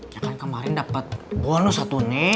ya kan kemarin dapat bonus satu d